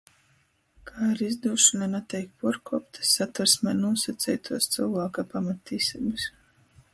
Ka ar izdūšonu nateik puorkuoptys Satversmē nūsaceituos cylvāka pamattīseibys.